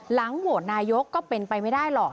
หลังโหวตนายกก็เป็นไปไม่ได้หรอก